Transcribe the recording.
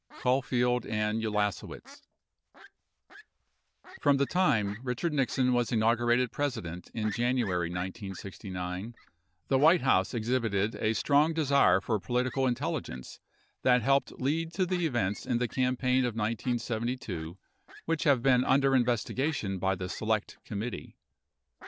Caulfield and Ulasewicz From the time Richard Nixon was inaugurated President in Janu ary 1969, the White House exhibited a strong desire for political intelligence that helped lead to the events in the campaign of 1972 which have been under investigation by the Select Committee.